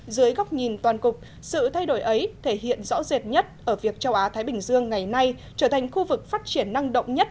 dưới góc nhìn toàn cục sự thay đổi ấy thể hiện rõ rệt nhất ở việc châu á thái bình dương ngày nay trở thành khu vực phát triển năng động nhất